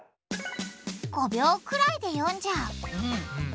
５秒くらいで読んじゃう。